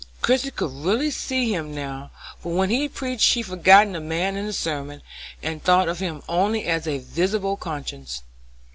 Christie could really see him now, for when he preached she forgot the man in the sermon, and thought of him only as a visible conscience.